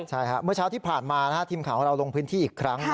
ใช่ครับเมื่อเช้าที่ผ่านมาทีมข่าวของเราลงพื้นที่อีกครั้ง